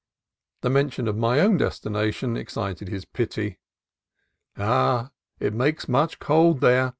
The mention of my own destination excited his pity. "Ah! it makes much cold there.